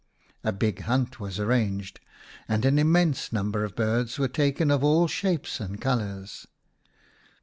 A big hunt was arranged, and an immense number of birds were taken of all shapes and colours.